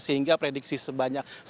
sehingga prediksi sebanyak selama tiga hari